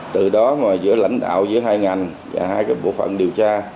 từ đó mà giữa lãnh đạo giữa hai ngành và hai cái bộ phận điều tra